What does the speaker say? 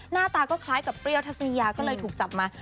หน้าตาก็คล้ายกับเปรี้ยวทัศนียาก็เลยถูกจับมา